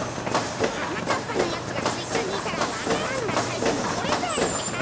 はなかっぱのやつがすいちゅうにいたらわか蘭がさいてもとれないってか。